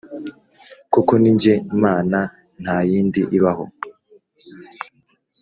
koko ni jye mana, nta yindi ibaho,